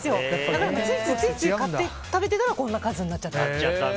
なのでついつい買って食べてたらこんな数になっちゃった。